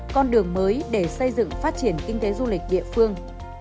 con đường mới để xây dựng phát triển kinh tế du lịch địa phương